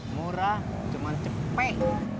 murah cuman cepek